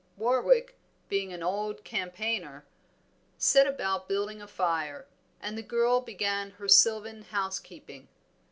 Warwick, being an old campaigner, set about building a fire, and the girl began her sylvan housekeeping.